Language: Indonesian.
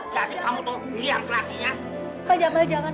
jadi kamu toh biar kelatihnya